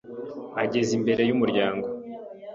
ageze imbere y ‘umuryango